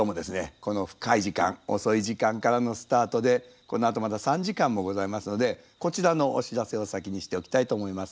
この深い時間遅い時間からのスタートでこのあとまだ３時間もございますのでこちらのお知らせを先にしておきたいと思います。